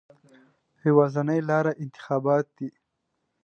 یوازینۍ لاره انتخابات دي.